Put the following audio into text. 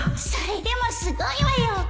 それでもすごいわよ